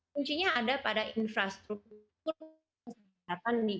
kuncinya ada pada infrastruktur kesehatan nih